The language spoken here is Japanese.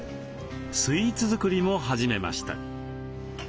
スイーツ作りも始めました。